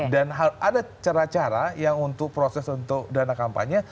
dan ada cara cara yang untuk proses untuk dana kampanye